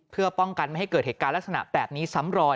เพื่อป้องกันไม่ให้เกิดเหตุการณ์ลักษณะแบบนี้ซ้ำรอย